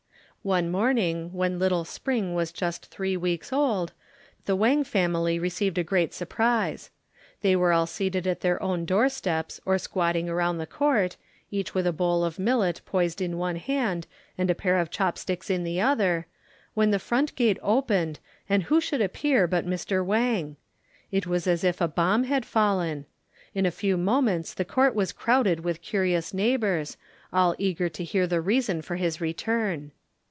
One morning when little Spring was just three weeks old, the Wang family received a great surprise. They were all seated at their own doorsteps or squatting around the court, each with a bowl of millet poised in one hand and a pair of chop sticks in the other, when the front gate opened and who should appear but Mr. Wang. It was as if a bomb had fallen! In a few moments the court was crowded with curious neighbors, all eager to hear the reason for his return.